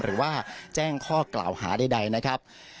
หรือว่าแจ้งข้อกล่าวหาใดนะครับ